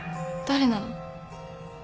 誰なの？